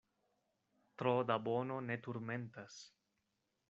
Tro da bono ne turmentas.